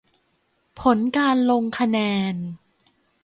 ผลการลงคะแนน